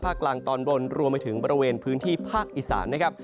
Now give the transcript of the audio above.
กลางตอนบนรวมไปถึงบริเวณพื้นที่ภาคอีสานนะครับ